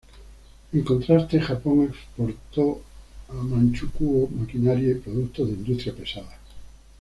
En contraste, Japón exportó a Manchukuo maquinaria y productos de Industria pesada.